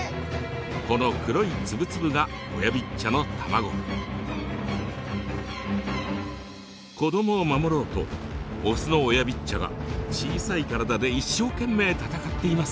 この黒い粒々が子どもを守ろうとオスのオヤビッチャが小さい体で一生懸命戦っています。